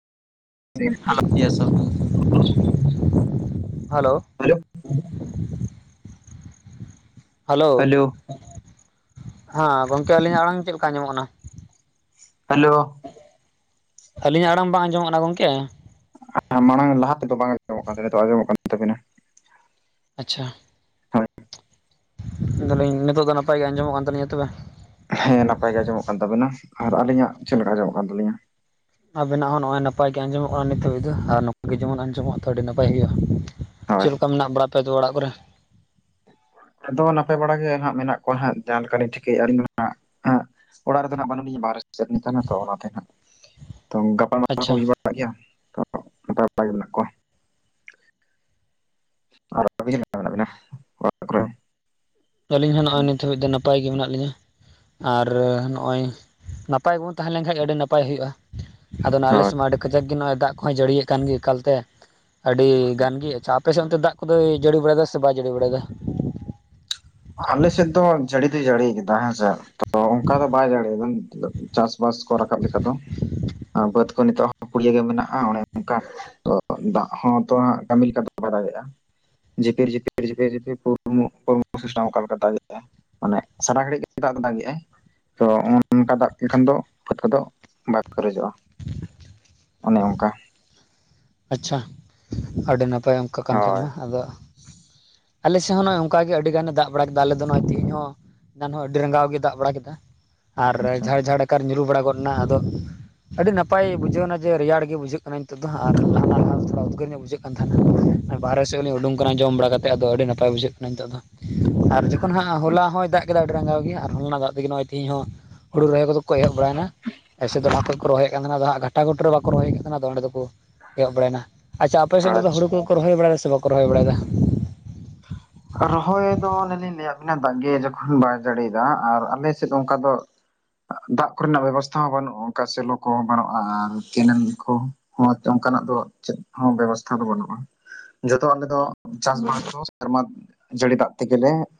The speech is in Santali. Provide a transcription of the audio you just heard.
ᱫᱤᱱ ᱨᱮᱱᱟᱜ ᱭᱮ ‌ᱥᱚ [inaudible] ᱦᱮᱞᱳᱣ᱾ ᱦᱟᱞᱳ᱾ ᱦᱟᱞᱳᱣ᱾ [unintelligible] ᱦᱮᱞᱳ ᱦᱟ, ᱸ ᱜᱚᱝᱠᱮ ᱟᱹᱞᱤᱧᱟᱜ ᱟᱲᱟᱝ ᱪᱮᱫ ᱞᱮᱠᱟ ᱟᱧᱟᱢᱚᱜ ᱠᱟᱱᱟ? ᱦᱮᱞᱳ᱾ ᱟᱹᱞᱤᱧᱟᱜ ᱟᱲᱟᱝ ᱵᱟᱝ ᱟᱸᱡᱚᱢᱚᱜ ᱠᱟᱱᱟ ᱜᱚᱝᱠᱮ? ᱠᱟᱛᱷᱟ ᱢᱟᱲᱟᱝ ᱞᱟᱦᱟ ᱛᱮᱫᱚ ᱵᱟᱝ ᱟᱸᱚᱢᱚᱜ ᱠᱟᱱ ᱛᱟᱦᱮᱫᱟ, ᱱᱤᱛᱹᱜ ᱟᱸᱚᱢᱚᱜ ᱠᱟᱱ ᱛᱟᱵᱤᱱᱟ᱾ ᱟᱪᱪᱷᱟ, ᱦᱳᱭ ᱫᱟᱞᱤᱧ ᱱᱤᱛᱚᱜ ᱫᱚ ᱱᱟᱯᱟᱭ ᱜᱮ ᱟᱸᱡᱚᱢᱚᱜ ᱠᱟᱱ ᱛᱟᱞᱤᱧᱟ ᱛᱚᱵᱮ᱾ ᱦᱮᱸ ᱱᱟᱯᱟᱭ ᱜᱮ ᱟᱸᱡᱚᱢᱚᱜ ᱠᱟᱱ ᱛᱟᱵᱤᱱᱟ, ᱟᱨ ᱟᱹᱞᱤᱧᱟᱜ ᱪᱮᱞᱮᱠᱟ ᱟᱸᱡᱚᱢᱚᱜ ᱠᱟᱱ ᱛᱟᱹᱞᱤᱧᱟ? ᱟᱵᱮᱱᱟᱜ ᱦᱚᱸ ᱱᱚᱜᱼᱚᱭ ᱱᱟᱯ ᱜᱮ ᱟᱸᱡᱚᱢᱚᱜᱼᱟ ᱱᱤᱛᱜ ᱫᱚ, ᱟᱨ ᱱᱚᱝᱠᱟ ᱜᱮ ᱡᱮᱢᱚᱱ ᱟᱸᱡᱚᱢᱚᱜᱼᱟ ᱛᱷᱚ ᱟᱹᱰᱤ ᱱᱟᱯᱟᱭ ᱜᱮᱭᱟ᱾ ᱦᱳᱭ ᱪᱮᱫ ᱞᱮᱠᱟ ᱢᱮᱱᱟᱜ ᱵᱟᱲᱟ ᱯᱮ ᱫᱚ ᱚᱲᱟᱜ ᱠᱚᱨᱮ? ᱟᱫᱚ ᱱᱟᱯᱟᱭ ᱵᱟᱲᱟ ᱜᱮ ᱦᱟᱸᱜ ᱢᱮᱱᱟᱜ ᱠᱚᱣᱟ ᱦᱟᱸᱜ ᱡᱟᱦᱟᱸ ᱞᱮᱠᱟ ᱞᱤᱧ ᱴᱷᱤᱠᱟᱹᱭᱮᱼᱟᱹᱞᱤᱧ ᱦ ᱦᱟᱸᱜ, ᱚᱲᱟᱜ ᱨᱮᱫᱚ ᱱᱟᱦᱚᱜ ᱵᱟᱹᱱᱩᱜ ᱞᱤᱧᱟ ᱵᱟᱨᱮ ᱥᱮᱫ ᱱᱤᱛᱮᱱᱟᱛᱚ ᱚᱱᱟᱛᱮ ᱱᱟᱦᱟᱜ ᱛᱚ ᱜᱟᱯ ᱠᱚ ᱦᱩᱭ ᱟᱪᱪᱷᱟ ᱵᱟᱲᱟᱜ [unintelligible] ᱜᱮᱭᱟ ᱛᱚ ᱛᱟᱞᱞᱟ ᱜᱮ ᱢᱮᱱᱟᱜ ᱠᱚᱣᱟ ᱟᱨ ᱟᱵᱤᱱ ᱚᱠᱟᱨᱮ ᱢᱮᱱᱟᱜ ᱵᱤᱱᱟ [unintelligible] ᱠᱚᱨᱮ ᱟᱹᱞᱤᱧ ᱦᱚᱸ ᱱᱚᱜᱼᱚᱭ ᱱᱤᱛ ᱦᱟᱹᱵᱤᱡ ᱫᱚ ᱱᱟᱯᱟᱭ ᱜᱮ ᱢᱮᱱᱟᱜ ᱞᱤᱧᱟᱹ᱾ ᱟᱨ, ᱱᱚᱜᱼᱭ ᱱᱟᱯᱟᱭ ᱜᱮᱵᱚᱱ ᱛᱟᱦᱮᱸ ᱞᱮᱱᱠᱷᱟᱱ ᱜᱮ ᱟᱹᱰᱤ ᱱᱟᱯᱟᱭ ᱦᱩᱭᱩᱜᱼᱟ᱾ ᱟᱫᱚ ᱱᱟᱞᱮ ᱦᱳᱭ ᱥᱮᱜ ᱢᱟ ᱟᱹᱰᱤ ᱠᱟᱡᱟᱠ ᱜᱮ ᱱᱚᱚᱭ ᱫᱟᱜ ᱠᱚᱦᱭ ᱡᱟᱹᱲᱤᱭᱮᱫ ᱠᱟᱱ ᱜᱮ ᱮᱠᱟᱞᱛᱮ, ᱟᱹᱰᱤ ᱜᱟᱱ ᱜᱮ, ᱟᱪᱪᱷᱟ ᱟᱯᱮ ᱥᱮᱜ ᱚᱱᱛᱮ ᱫᱟᱜ ᱠᱚᱫᱚᱭ ᱡᱟᱹᱲᱤ ᱵᱟᱲᱟᱭᱮᱫᱟ ᱥᱮ ᱵᱟᱭ ᱡᱟᱹᱲᱤ ᱵᱟᱲᱟᱭᱮᱫᱟ? ᱟᱞᱮ ᱥᱮ ᱫᱚ ᱡᱟᱹᱲᱤ ᱛᱤ ᱡᱟᱹᱲᱤ ᱠᱮᱫ ᱦᱮᱸᱥᱮ ᱛᱚ ᱚ ᱚᱱᱠᱟ ᱫᱚ ᱵᱟᱭ ᱡᱟᱲᱮᱭᱮᱫᱟ, ᱪᱟᱥᱵᱟᱥ ᱠᱚ ᱨᱟᱠᱟᱵ ᱞᱮᱠᱟ ᱛᱚ, ᱟ ᱵᱟᱹᱫᱽ ᱱᱤᱛᱚᱜ ᱦᱚᱸ ᱠᱩᱲᱤᱭᱟᱹ ᱜᱮ ᱢᱮᱱᱟᱜᱼᱟ ᱚᱱᱮ ᱚᱱᱠᱟ, ᱛᱚ ᱫᱟᱜ ᱦᱚᱸ ᱛᱚ ᱦᱟᱸᱜ ᱠᱟᱹᱢᱤ ᱞᱮᱠᱟᱛᱮ ᱵᱟᱰᱟᱭ ᱦᱩᱭᱟᱜᱼᱟ᱾ ᱡᱤᱯᱤᱨ ᱡᱤᱯᱤᱨ ᱡᱤᱯᱤᱨ ᱡᱤᱯᱤᱨ ᱯᱩᱨᱢᱩᱜ ᱯᱩᱨᱢᱩᱜ ᱥᱟᱹᱣ ᱠᱚᱞᱠᱟᱛᱟ ᱜᱮ᱾ ᱢᱟᱱᱮ ᱥᱟᱨᱟ ᱜᱷᱟᱹᱲᱤᱡ ᱜᱮ ᱫᱟᱜ ᱫᱟᱜ ᱜᱮᱟᱭᱱ, ᱛᱚ ᱱᱚᱚᱱᱠᱟ ᱫᱟᱜ ᱠᱮ ᱠᱷᱟᱱ ᱫᱚ ᱠᱟᱛᱷᱟ ᱫᱚ ᱵᱟᱝ ᱯᱮᱡᱚᱜᱼᱟ᱾ ᱚᱱᱮ ᱚᱱᱠᱟ, ᱟᱪᱪᱷᱟ, ᱟᱹᱰᱤ ᱱᱟᱯᱟᱭ ᱚᱱᱠᱟ ᱠᱟᱛᱷᱟ ᱦᱳᱭ ᱛᱟᱦᱟ ᱫᱚ, ᱟᱞᱮᱥᱮᱫ ᱦᱚᱸ ᱱᱚᱜᱼᱚᱭ ᱚᱱᱠ ᱜᱮ ᱟᱹᱰᱤ ᱜᱟᱱᱮ ᱫᱟᱜᱵᱲᱟ ᱠᱮᱫᱟ ᱟᱞᱮᱫᱚ, ᱱᱚᱜ-ᱚᱭ ᱛᱮᱦᱧ ᱦᱚᱸ ᱫᱟᱱ ᱦᱚᱸ ᱟᱹᱰᱤ ᱨᱟᱸᱜᱟᱣ ᱜᱮ ᱫᱟᱜ ᱵᱟᱲᱟ ᱠᱮᱫᱟ, ᱟᱨ ᱟᱪᱪᱷᱟ ᱡᱷᱟᱲ ᱡᱷᱟᱲ ᱠᱟᱨ ᱧᱩᱨᱩᱨᱩ ᱵᱟᱲᱟ ᱜᱚᱫ ᱱᱟ ᱟᱫᱚ ᱟᱹᱰᱤ ᱱᱟᱯᱟᱭ ᱵᱩᱡᱷᱟᱹᱱᱟ ᱡᱮ ᱨᱮᱭᱟᱲ ᱜᱮ ᱵᱩᱡᱷᱟᱹᱜ ᱠᱟᱜ ᱢᱮᱱᱛᱮ ᱫᱚ ᱦᱟᱸᱜ, ᱟᱨ [inaudible] ᱞᱟᱦᱟ ᱞᱟᱦᱟ ᱛᱷᱚᱲᱟ ᱩᱫᱽᱜᱟᱹᱨ ᱧᱚᱜ ᱵᱩᱡᱷᱟᱹᱜ ᱠᱟᱱ ᱛᱟᱦᱮᱱᱟ ᱵᱟᱨᱦᱮ ᱥᱮᱫ ᱩᱱᱤ ᱩᱰᱩᱝ ᱠᱟᱱᱟᱭ ᱡᱚᱢ ᱵᱟᱲᱟ ᱠᱟᱛᱮᱜ ᱟᱫᱚ ᱟᱹᱰᱤ ᱱᱟᱯᱟᱭ ᱵᱩᱡᱷᱟᱹᱜ ᱠᱟᱱᱟ ᱱᱤᱛᱚᱜ ᱫᱚ᱾ [inaudible] ᱟᱨ ᱡᱚᱠᱷᱚᱱ ᱦᱟᱸᱜ ᱦᱚᱞᱟ ᱟᱪᱪᱷᱟ ᱦᱚᱸᱭ ᱫᱟᱜ ᱠᱮᱫᱟᱭ ᱟᱹᱰᱤ ᱨᱟᱸᱜᱟᱣ ᱜᱮ ᱟᱨ ᱦᱚᱞᱟᱱᱟᱜ ᱫᱟᱜ ᱛᱮᱜᱮ ᱱᱜᱚᱭ ᱛᱦᱤ ᱦᱚᱸ ᱦᱩᱲᱩ ᱨᱚᱦᱚᱭ ᱠᱚᱫᱚ, ᱠᱚᱭᱜ ᱵᱟᱲᱟᱭᱱᱟ ᱮᱭᱥᱮᱪ ᱫᱚ ᱞᱟᱦᱟ ᱠᱷᱚᱡ ᱠᱚ ᱨᱚᱦᱚᱭᱮᱫ ᱠᱟᱱ ᱛᱟᱦᱮᱸᱱᱟ ᱟᱫᱚ ᱦᱟᱸᱜ ᱜᱷᱟᱴᱟ ᱜᱩᱴᱩ ᱨᱮ ᱵᱟᱠᱚ ᱨᱚᱦᱚᱭᱮᱫ ᱛᱟᱦᱮᱸᱱᱟ ᱟᱫᱚ ᱚᱸᱰᱮ ᱫᱚᱠᱚ ᱦᱭᱚᱜ ᱵᱟᱲᱟᱭᱱᱟ, ᱟᱪᱪᱷᱟ ᱟᱯᱮᱥᱱ ᱛᱮᱫᱚ ᱦᱩᱲ ᱟᱪᱪᱷᱟ᱾ ᱠᱚᱠᱚ ᱨᱚᱦᱚᱭ ᱵᱟᱲᱟᱭᱫᱟ ᱥᱮ ᱵᱟᱠᱚ ᱨᱚᱦᱚᱭ ᱵᱟᱲᱟᱭ ᱫᱟ? ᱨᱚᱦᱚᱭ ᱫᱚ ᱚᱱᱮ ᱞᱤᱧ ᱞᱟᱹᱭᱟᱫ ᱵᱮᱤᱱᱟ ᱫᱟᱜ ᱜᱮ ᱡᱚᱠᱷᱚᱱ ᱵᱟᱭ ᱡᱟᱹᱲᱤᱭᱮᱫᱟ ᱟᱨ ᱟᱞᱮ ᱥᱮᱫ ᱚᱱᱠᱟ ᱫᱚ ᱫᱟᱜ ᱠᱚᱨᱮᱱᱟᱜ ᱵᱮᱵᱚᱥᱛᱷᱟ ᱦᱚᱸ ᱵᱟᱹᱱᱩᱜᱼᱟ ᱚᱱᱠᱟ ᱥᱮᱞᱚ ᱠᱚᱦᱚᱸ ᱵᱟᱹᱱᱩᱜᱼᱟ ᱟᱨ ᱠᱮᱱᱮᱞ ᱠᱚ᱾ ᱦᱚᱸᱪ ᱚᱱᱠᱟᱱᱟᱜ ᱫᱚ ᱪᱮᱫ ᱦᱚᱸ ᱵᱮᱵᱚᱥᱛᱷᱟ ᱫᱚ ᱵᱟᱹᱱᱩᱜᱼᱟ᱾ ᱡᱚᱛᱚ ᱟᱞᱮ ᱫᱚ ᱪᱟᱥᱵᱟᱥ ᱠᱚ ᱥᱮᱨᱢᱟ ᱡᱟᱹᱲᱤ ᱫᱟᱜ ᱛᱮᱜᱮᱞᱮ